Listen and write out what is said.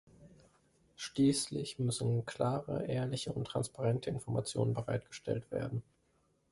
Schließlich müssen klare, ehrliche und transparente Informationen bereitgestellt werden.